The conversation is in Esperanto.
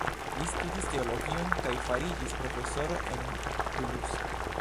Li studis teologion kaj fariĝis profesoro en Toulouse.